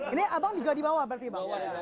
ini abang juga di bawah berarti bawahnya